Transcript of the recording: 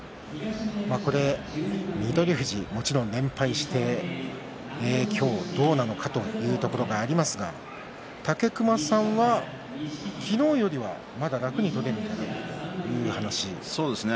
翠富士、もちろん連敗して今日どうなのかというところがありますが武隈さんは、昨日よりは楽に取れるんじゃないかというお話でしたね。